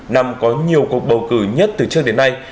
năm có nhiều cuộc bầu cử nhất từ trước đến nay